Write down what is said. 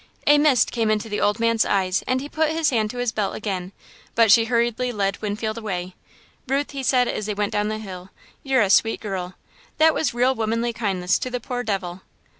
A mist came into the old man's eyes, and he put his hand to his belt again, but she hurriedly led Winfield away. "Ruth," he said, as they went down the hill, "you're a sweet girl. That was real womanly kindness to the poor devil."